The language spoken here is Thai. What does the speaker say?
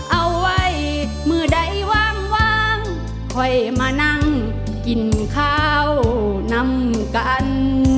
เอาไว้มือใดวางวางค่อยมานั่งกินข้าวนำกัน